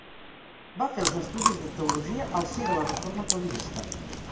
Va fer els estudis de teologia al si de la reforma calvinista.